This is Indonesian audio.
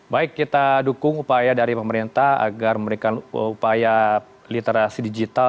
baik kita dukung upaya dari pemerintah agar memberikan upaya literasi digital